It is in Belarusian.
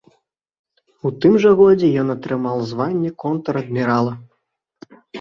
У тым жа годзе ён атрымаў званне контр-адмірала.